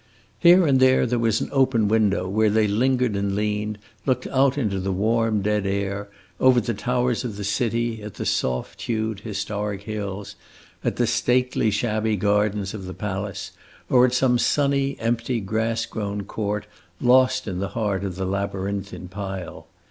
Here and there was an open window, where they lingered and leaned, looking out into the warm, dead air, over the towers of the city, at the soft hued, historic hills, at the stately shabby gardens of the palace, or at some sunny, empty, grass grown court, lost in the heart of the labyrinthine pile.